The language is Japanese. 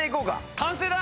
完成だ！